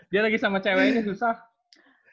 dia lagi sama cewek ini susah